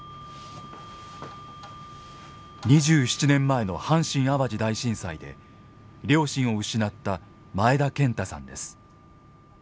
２７年前の阪神・淡路大震災で両親を失った前田健太さんです。